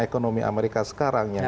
ekonomi amerika sekarang yang